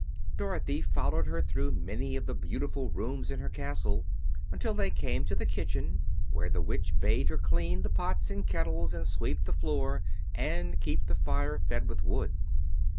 Dorothy followed her through many of the beautiful rooms in her castle until they came to the kitchen, where the Witch bade her clean the pots and kettles and sweep the floor and keep the fire fed with wood.